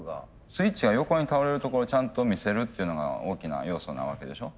スイッチが横に倒れるところをちゃんと見せるっていうのが大きな要素なわけでしょ？